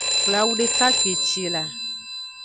Xwle awu deka kpeci la.